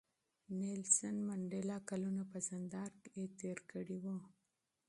منډېلا کلونه په زندان کې تېر کړي وو.